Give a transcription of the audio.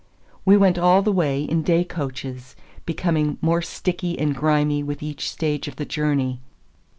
We went all the way in day coaches, becoming more sticky and grimy with each stage of the journey.